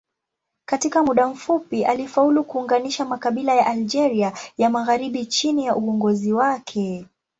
Katika muda mfupi alifaulu kuunganisha makabila ya Algeria ya magharibi chini ya uongozi wake.